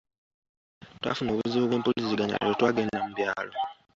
Twafuna obuzibu bw'empuliziganya lwe twagenda mu byalo.